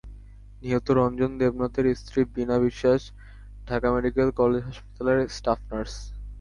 নিহত রঞ্জন দেবনাথের স্ত্রী বীণা বিশ্বাস ঢাকা মেডিকেল কলেজ হাসপাতালের স্টাফ নার্স।